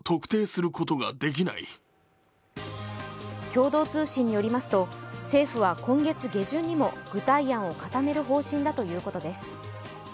共同通信によりますと政府は今月下旬にも具体案を固める方針だということです。